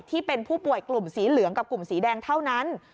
ที่เป็นผู้ป่วยกลุ่มสีเหลืองกับกลุ่มสีแดงเท่านั้น